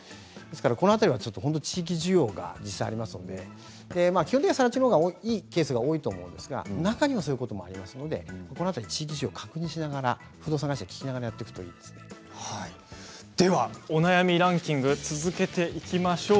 その辺りは地域需要が実際にありますので基本的にはさら地のほうがいいケースが多いと思うんですが中にはそういうこともありますので地域事情を確認しながら不動産会社に聞きながらお悩みランキング続けていきましょう。